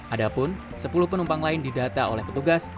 ada pun sepuluh penumpang lain didata oleh petugas